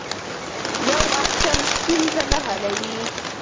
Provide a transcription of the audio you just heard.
یو اپشن ستونزه نه حلوي.